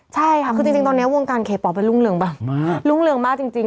ใช่ค่ะคือจริงตอนนี้วงการเคปอลเป็นรุ่งเรืองแบบมากรุ่งเรืองมากจริง